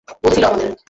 ভুল ছিল আমাদের।